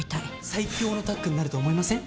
「最強のタッグになると思いません？」